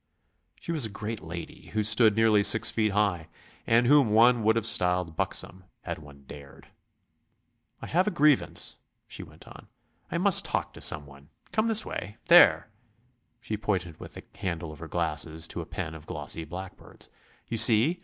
She was a great lady, who stood nearly six foot high, and whom one would have styled buxom, had one dared. "I have a grievance," she went on; "I must talk to someone. Come this way. There!" She pointed with the handle of her glasses to a pen of glossy blackbirds. "You see!...